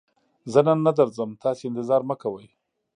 زه نن نه درځم، تاسې انتظار مکوئ!